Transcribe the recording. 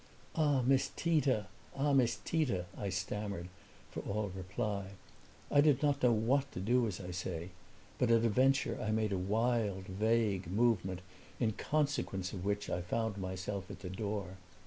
"Ah, Miss Tita ah, Miss Tita," I stammered, for all reply. I did not know what to do, as I say, but at a venture I made a wild, vague movement in consequence of which I found myself at the door.